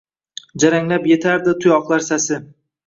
Jaranglab yetardi tuyoqlar sasi.